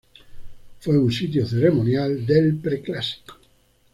Fue un sitio ceremonial del preclásico.